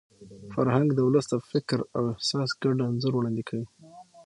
فرهنګ د ولس د فکر او احساس ګډ انځور وړاندې کوي.